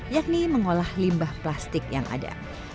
yakni mengolah limbah plastik yang ada